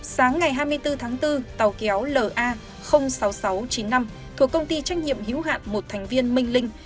sáng ngày hai mươi bốn tháng bốn tàu kéo la sáu nghìn sáu trăm chín mươi năm thuộc công ty trách nhiệm hữu hạn một thành viên minh linh